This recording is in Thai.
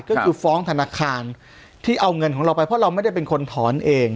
ก็คือฟ้องธนาคารที่เอาเงินของเราไปเพราะเราไม่ได้เป็นคนถอนเอง